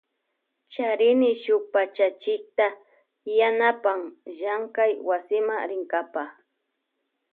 Charini shuk pachachikta yanapan llankay wasima rinkapa.